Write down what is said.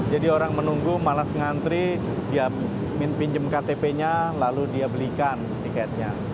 jadi orang menunggu malas ngantri dia pinjem ktp nya lalu dia belikan tiketnya